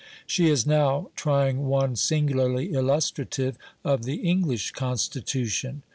She is now trying one singularly illustrative of the English Constitution.